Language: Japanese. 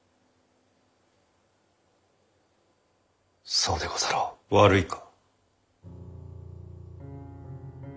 そうでござろう？悪いか？